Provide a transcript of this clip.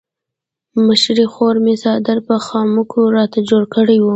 مشرې خور مې څادر په خامکو راته جوړ کړی وو.